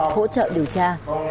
hỗ trợ điều tra